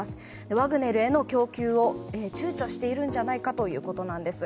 ワグネルへの供給を躊躇しているんじゃないかということなんです。